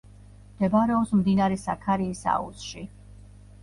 მდებარეობს მდინარე საქარიის აუზში.